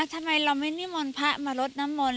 ทำไมเราไม่นิมนต์พระมารดน้ำมนต